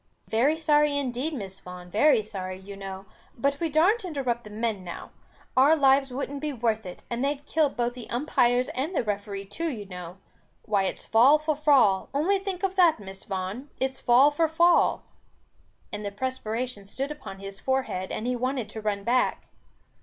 "Very sorry indeed, Miss Vaughan, very sorry, you know. But we darrn't interrupt the men now. Our lives wouldn't be worth it, and they'd kill both the umpires and the referee too you know. Why it's fall for fall, only think of that, Miss Vaughan, it's fall for fall!" And the perspiration stood upon his forehead, and he wanted to run back.